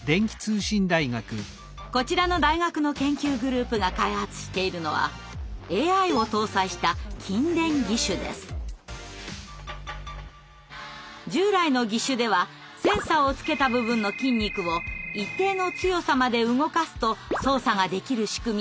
こちらの大学の研究グループが開発しているのは従来の義手ではセンサーをつけた部分の筋肉を一定の強さまで動かすと操作ができる仕組みでしたが。